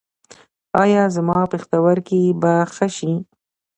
ایا زما پښتورګي به ښه شي؟